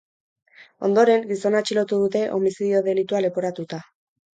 Ondoren, gizona atxilotu dute homizidio delitua leporatuta.